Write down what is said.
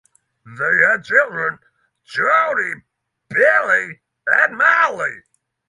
They had children Jody, Billy and Molly.